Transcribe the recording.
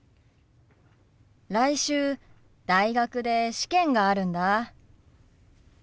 来週大学で試験があるんだ。